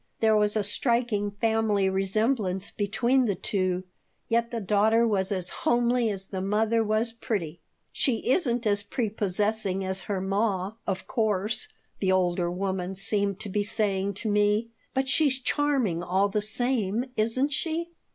There was a striking family resemblance between the two, yet the daughter was as homely as the mother was pretty. "She isn't as prepossessing as her ma, of course," the older woman seemed to be saying to me, "but she's charming, all the same, isn't she?"